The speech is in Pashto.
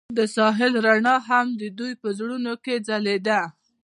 د ساحل رڼا هم د دوی په زړونو کې ځلېده.